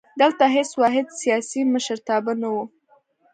دلته هېڅ واحد سیاسي مشرتابه نه وو.